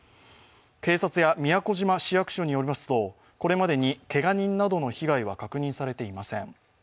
警察や宮古島市役所によりますと、これまでにけが人などの被害は確認されていません。